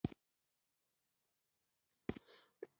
خوښه يې شوه.